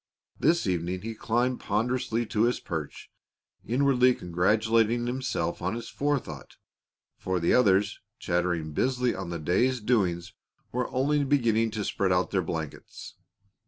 This evening he climbed ponderously to his perch, inwardly congratulating himself on his forethought, for the others, chattering busily on the day's doings, were only beginning to spread out their blankets.